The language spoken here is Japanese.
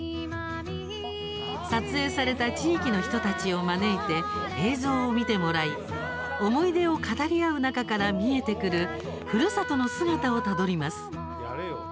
撮影された地域の人たちを招いて映像を見てもらい、思い出を語り合う中から見えてくるふるさとの姿をたどります。